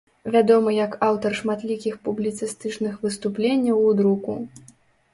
Вядомы як аўтар шматлікіх публіцыстычных выступленняў у друку.